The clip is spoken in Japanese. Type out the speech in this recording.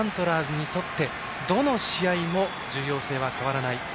鹿島アントラーズにとってどの試合も重要性は変わらない。